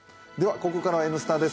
ここからは「Ｎスタ」です。